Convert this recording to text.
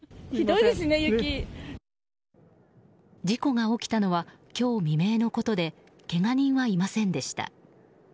事故が起きたのは今日未明のことでけが人はいませんでした。